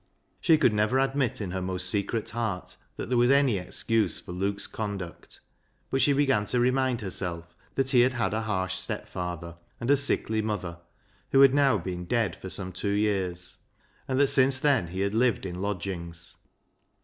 She could never admit in her most secret heart that there was any excuse for Luke's conduct, but she began to remind herself that he had had a harsh stepfather, and a sickly mother, who had now been dead for some two years, and that since then he had lived in lodgings.